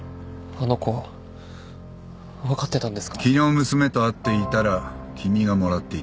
昨日娘と会っていたら君がもらっていた。